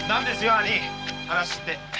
「兄い」話って？